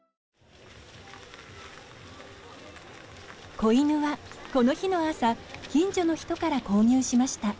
子犬はこの日の朝近所の人から購入しました。